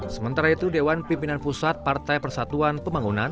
sementara itu dewan pimpinan pusat partai persatuan pembangunan